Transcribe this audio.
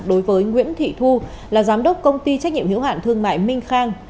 đối với nguyễn thị thu là giám đốc công ty trách nhiệm hiệu hạn thương mại minh khang